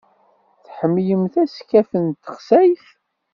Tḥemmlemt askaf n texsayt?